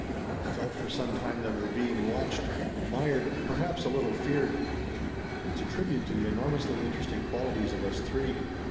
I've felt for some time that we're being watched, admired and perhaps a little feared. It's a tribute to the enormously interesting qualities of us three."